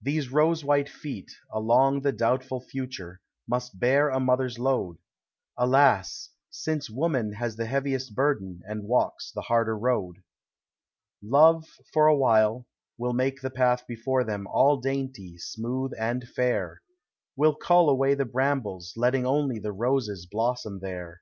These rose white feet, along the doubtful future, Must bear a mother's load ; Alas! since Woman has the heaviest burden, And walks the harder road. Love, for a while, will make the path before them All dainty, smooth, and fair, — Will cull away the brambles, letting only The roses blossom there.